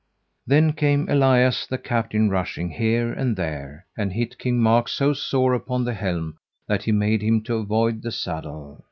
Then came Elias the captain rushing here and there, and hit King Mark so sore upon the helm that he made him to avoid the saddle.